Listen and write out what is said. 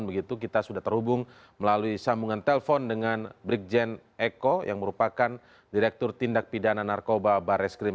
begitu kita sudah terhubung melalui sambungan telpon dengan brigjen eko yang merupakan direktur tindak pidana narkoba barreskrim